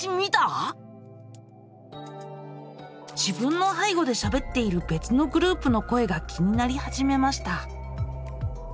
自分の背後でしゃべっているべつのグループの声が気になり始めました。